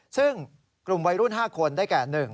ซึ่งกลุ่มวัยรุ่น๕คนได้แก่๑